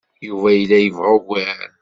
Yuba yella yebɣa ugar.